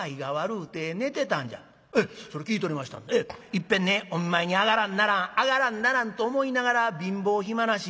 いっぺんねお見舞いに上がらんならん上がらんならんと思いながら貧乏暇なし。